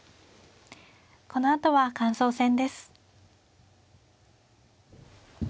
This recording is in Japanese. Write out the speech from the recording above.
このあとは感想戦です。